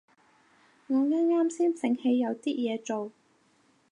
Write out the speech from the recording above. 我啱啱先醒起有啲嘢做